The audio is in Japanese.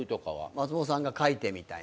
松本さんが書いてみたいな。